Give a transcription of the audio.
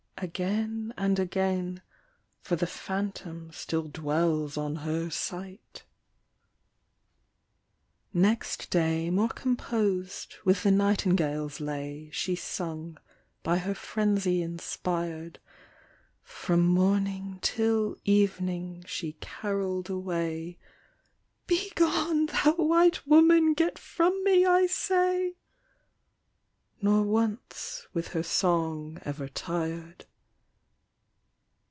again and again, For the phanthom still dwells on her sight. R 122 THE WHITE WOMAN. Next day more compos'd, with the nightingale's lay, She sung, by her phrenzy inspired, From morning till ev'ning she carrol'd away, " Begone ! thou white woman ! get from me, I say !" Nor once with her song ever tir'd.